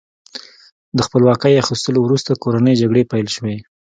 د خپلواکۍ اخیستلو وروسته کورنۍ جګړې پیل شوې.